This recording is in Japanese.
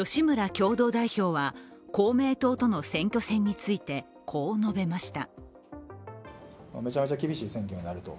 共同代表は公明党との選挙戦について、こう述べました。